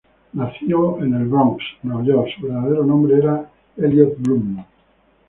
Nacido en El Bronx, Nueva York, su verdadero nombre era Elliott Blum.